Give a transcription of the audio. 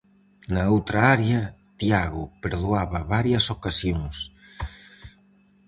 Na outra área, Tiago perdoaba varias ocasións.